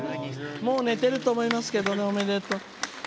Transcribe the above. もう寝てると思いますけどおめでとう。